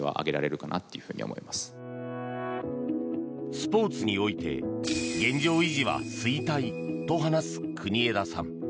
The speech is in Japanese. スポーツにおいて現状維持は衰退と話す国枝さん。